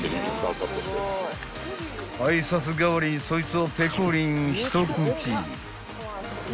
［挨拶代わりにそいつをペコリン一口］